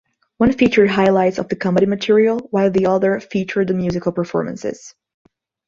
One featured highlights of the comedy material, while the other featured the musical performances.